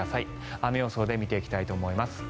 雨予想で見ていきたいと思います。